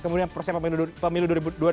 kemudian proses pemilu dua ribu dua puluh